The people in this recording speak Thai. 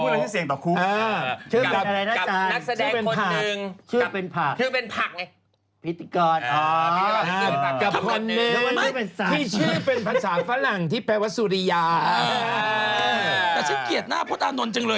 เราจะพูดอะไรที่เสียงต่อครู